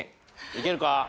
いけるか？